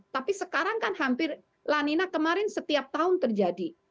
tapi sekarang kan hampir lanina kemarin setiap tahun terjadi